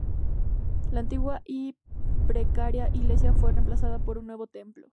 La antigua y precaria iglesia fue reemplazada por un nuevo templo.